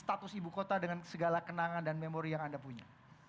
status ibu kota dengan segala kenangan dan memori yang anda punya